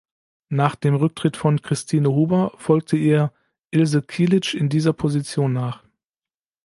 Nach dem Rücktritt von Christine Huber folgte ihr Ilse Kilic in dieser Position nach.